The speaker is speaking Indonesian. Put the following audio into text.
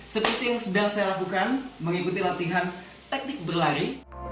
seperti yang sedang saya lakukan mengikuti latihan teknik berlari